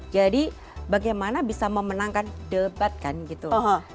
jadi bagaimana bisa memenangkan debat kan gitu